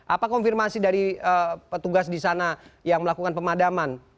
apa konfirmasi dari petugas di sana yang melakukan pemadaman